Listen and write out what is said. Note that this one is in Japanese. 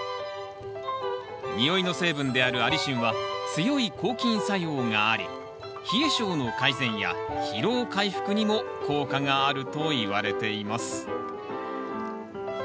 匂いの成分であるアリシンは強い抗菌作用があり冷え性の改善や疲労回復にも効果があるといわれています